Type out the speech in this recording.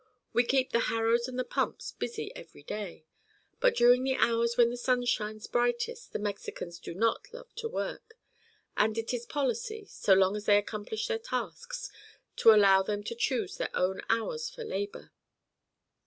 We keep the harrows and the pumps busy every day. But during the hours when the sun shines brightest the Mexicans do not love to work, and it is policy—so long as they accomplish their tasks—to allow them to choose their own hours for labor."